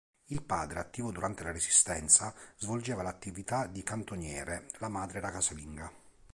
Il padre, attivo durante la Resistenza, svolgeva l'attività di cantoniere, la madre era casalinga.